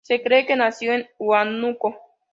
Se cree que nació en Huánuco.